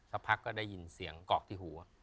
สักพักก็ได้ยินเสียงกรอกที่หัว